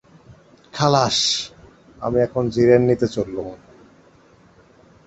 খালাস! আমি এখন জিরেন নিতে চললুম।